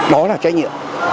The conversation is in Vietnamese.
đó là trách nhiệm